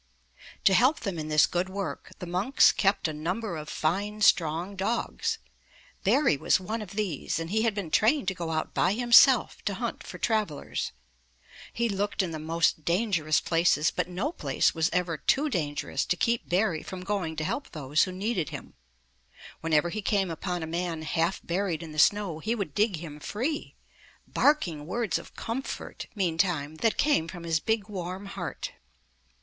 To help them in this good work, the monks kept a number of fine, strong dogs. Barry was one of these, and he had been trained to go out by himself to hunt for travelers. He looked in the most danger ous places, but no place was ever too dangerous to 88 UP ONE PAIR OF STAIRS keep Barry from going to help those who needed him. Whenever he came upon a man half buried in the snow, he would dig him free, barking words of com fort, meantime, that came from his big, warm heart.